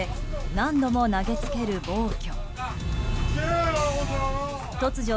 何度も投げつける暴挙。